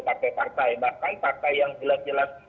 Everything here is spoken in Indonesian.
partai partai bahkan partai yang jelas jelas